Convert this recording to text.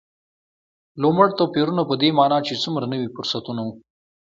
لومړ توپیرونه په دې معنا چې څومره نوي فرصتونه و.